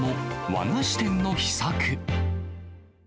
和菓子店の秘策。